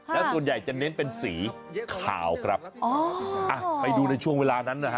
ด้านส่วนใหญ่จะเน้นเป็นสีขาวครับโอ้เอ้าไปดูในช่วงเวลานั้นเนี้ยฮะ